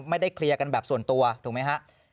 ไม่ได้เคลียร์กันแบบส่วนตัวถูกไหมฮะ